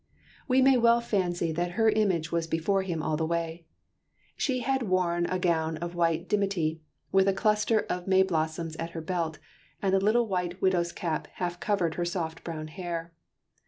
We may well fancy that her image was before him all the way. She had worn a gown of white dimity, with a cluster of Mayblossoms at her belt, and a little white widow's cap half covered her soft brown hair.